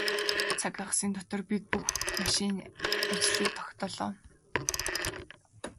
Хагас цагийн дотор бид бүх машиныг олж тогтоолоо.